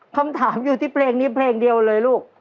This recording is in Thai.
คำถามอยู่ที่เพลงนี้เพลงเดียวเลยลูก